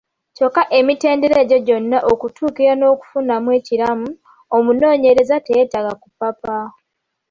Kyokka emitendera egyo gyonna okutuukirira n’okufunamu ekiramu, omunoonyereza teyeetaaga kupapa.